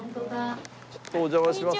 ちょっとお邪魔します。